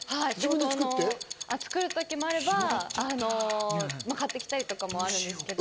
作るときもあれば買ってきたりとかもあるんですけど。